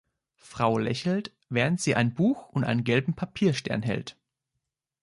Frau lächelt, während sie ein Buch und einen gelben Papierstern hält.